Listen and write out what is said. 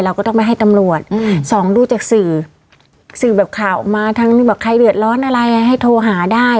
ก็ต้องไปให้ตำรวจสองดูจากสื่อสื่อแบบข่าวออกมาทางนี้แบบใครเดือดร้อนอะไรให้โทรหาได้